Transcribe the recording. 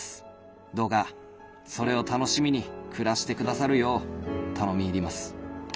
どうかそれを楽しみに暮らしてくださるよう頼み入ります。